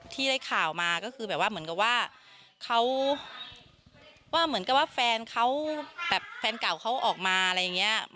ที่ได้ข่าวมาก็คือแบบว่าเหมือนกับว่าเขาว่าเหมือนกับว่าแฟนเขาแบบแฟนเก่าเขาออกมาอะไรอย่างนี้